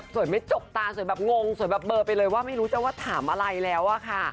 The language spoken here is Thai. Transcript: ไม่จกตาสวยแบบงงสวยแบบเบอร์ไปเลยว่าไม่รู้จะว่าถามอะไรแล้วอะค่ะ